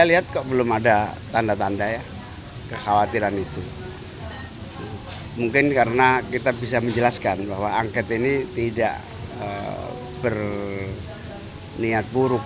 ini untuk kebaikan semua pihak ya